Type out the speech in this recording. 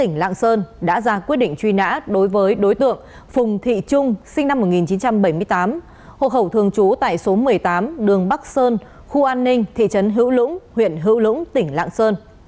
hộ khẩu thường trú tại số một mươi tám đường bắc sơn khu an ninh thị trấn hữu lũng huyện hữu lũng tỉnh lạng sơn